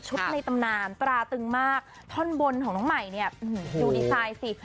ในตำนานตราตึงมากท่อนบนของน้องใหม่เนี่ยดูดีไซน์สิ